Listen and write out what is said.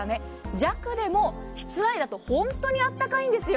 弱でも室内だと本当にあったかいんですよ。